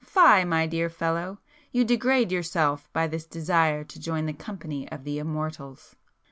Fie, my dear fellow! You degrade yourself by this desire to join the company of the immortals!"